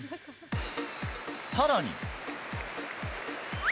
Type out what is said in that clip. さらに。